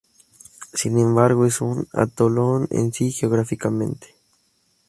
Sin embargo, es un atolón en sí geográficamente.